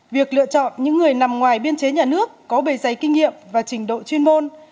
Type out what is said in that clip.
việc lựa chọn những người nằm ngoài biên chế nhà nước có bề giấy kinh nghiệm và trình độ chuyên môn